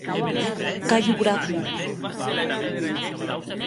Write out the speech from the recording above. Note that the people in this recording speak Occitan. Cayo Graco.